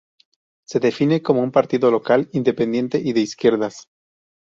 Se define como un partido local independiente y de izquierdas.